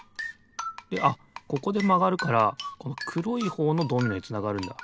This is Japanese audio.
であっここでまがるからこのくろいほうのドミノへつながるんだ。